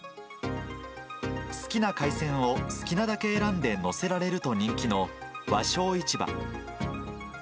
好きな海鮮を好きなだけ選んで載せられると人気の和商市場。